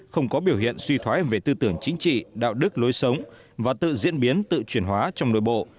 không có biểu hiện suy thoái về tư tưởng chính trị đạo đức lối sống và tự diễn biến tự chuyển hóa trong nội bộ